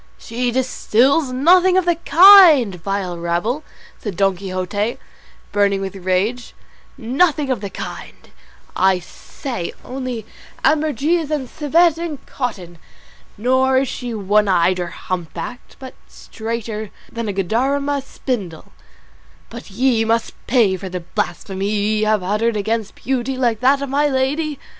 "She distils nothing of the kind, vile rabble," said Don Quixote, burning with rage, "nothing of the kind, I say, only ambergris and civet in cotton; nor is she one eyed or humpbacked, but straighter than a Guadarrama spindle: but ye must pay for the blasphemy ye have uttered against beauty like that of my lady."